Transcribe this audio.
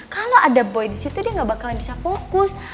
kalau ada boi di situ dia nggak bakalan bisa fokus